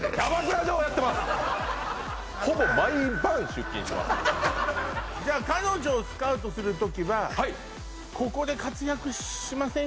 ほぼじゃあ彼女をスカウトする時はここで活躍しません？